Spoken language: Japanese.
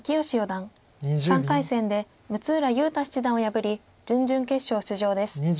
義四段３回戦で六浦雄太七段を破り準々決勝出場です。